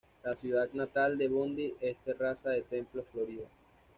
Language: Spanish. La ciudad natal de Bondi es Terraza de Templo, Florida.